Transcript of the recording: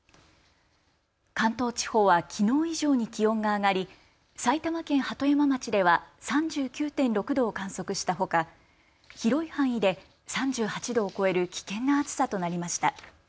関東地方はきのう以上に気温が上がり埼玉県鳩山町では３９．６度を観測したほか広い範囲で３８度を超える危険な暑さとなりました。